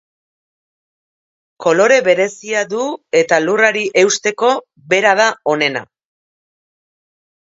Kolore berezia du eta lurrari eusteko bera da onena.